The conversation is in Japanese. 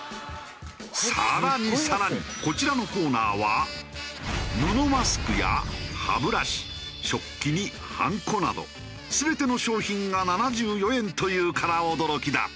更に更にこちらのコーナーは布マスクや歯ブラシ食器にはんこなど全ての商品が７４円というから驚きだ。